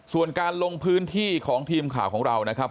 ส่วนการลงพื้นที่ของทีมข่าวของเรานะครับ